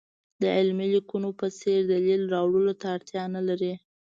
د علمي لیکنو په څېر دلیل راوړلو ته اړتیا نه لري.